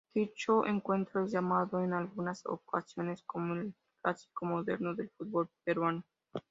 Dicho encuentro es llamado en algunas ocasiones como el "clásico moderno del fútbol peruano".